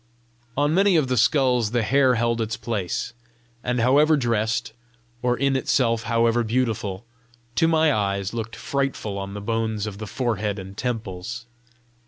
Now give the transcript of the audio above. On many of the skulls the hair held its place, and however dressed, or in itself however beautiful, to my eyes looked frightful on the bones of the forehead and temples.